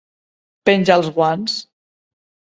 Penjar els guants.